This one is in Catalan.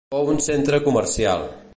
Fou un centre comercial.